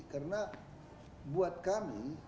karena buat kami